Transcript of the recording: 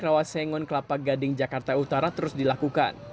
rawasengon kelapa gading jakarta utara terus dilakukan